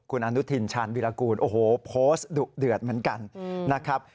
คุณอนุทินชาญวิรากูลโอ้โหโพสต์ดุเดือดเหมือนกันนะครับ